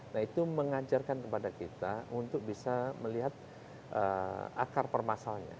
nah itu mengajarkan kepada kita untuk bisa melihat akar permasalahannya